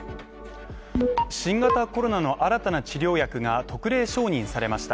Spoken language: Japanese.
新型コロナの新たな治療薬が特例承認されました。